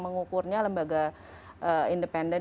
mengukurnya lembaga independen